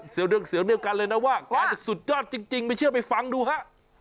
เสียวเรื่องกันเลยนะว่าแกแบบสุดยอดจริงไม่เชื่อไปฟังดูฮะ